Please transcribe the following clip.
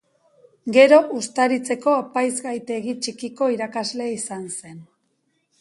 Gero Uztaritzeko Apaizgaitegi Txikiko irakasle izan zen.